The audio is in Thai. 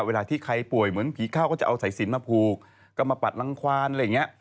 เวลาที่ใครป่วยเหมือนผีเข้าก็จะเอาสายสินมาผูกก็มาปัดรังควานอะไรอย่างนี้